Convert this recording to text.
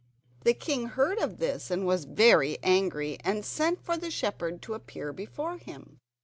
The king heard of this and was very angry, and sent for the shepherd to appear before him.